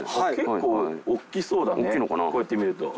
こうやって見ると。